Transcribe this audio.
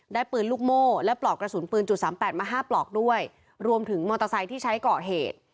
ปืนลูกโม่และปลอกกระสุนปืนจุดสามแปดมาห้าปลอกด้วยรวมถึงมอเตอร์ไซค์ที่ใช้ก่อเหตุ